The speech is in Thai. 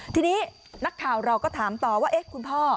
ทีนี้นักข่าวเราก็ถามต่อว่าคุณพ่อ